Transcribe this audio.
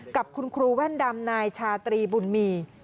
กับคุณครูแว่นดำนายชาตรีบุญมี